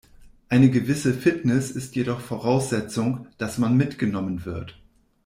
Eine gewisse Fitness ist jedoch Voraussetzung, dass man mitgenommen wird.